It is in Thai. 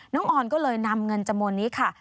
ออนก็เลยนำเงินจำนวนนี้ค่ะ